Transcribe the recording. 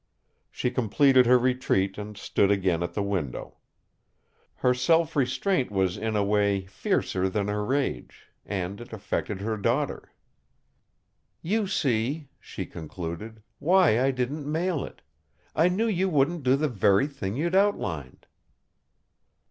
She completed her retreat and stood again at the window. Her self restraint was, in a way, fiercer than her rage and it affected her daughter. "You see," she concluded, "why I didn't mail it. I knew you wouldn't do the very thing you'd outlined."